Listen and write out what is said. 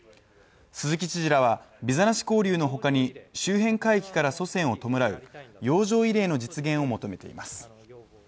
鈴木知事らはビザなし交流のほかに周辺海域から祖先を弔う洋上慰霊の実現を求めています。